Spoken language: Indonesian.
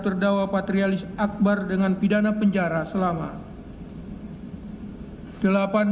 terdakwa patrialis akbar dengan pidana penjara selama delapan